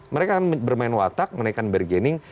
mereka bermain watak menaikkan bergening